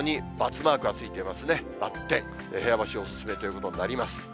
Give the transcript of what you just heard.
部屋干しお勧めということになります。